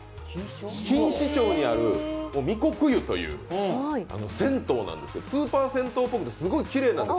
錦糸町にある御谷湯という銭湯なんですけどスーパー銭湯っぽくてすごくきれいなんです。